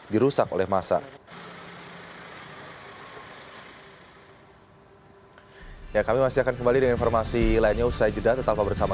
dirusak oleh masa ya kami masih akan kembali dengan informasi lainnya usai jeda tetap bersama